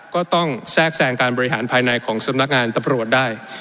ก็ต้องแทรกแทรงการบริหารภายในของสำนักงานตำรวจได้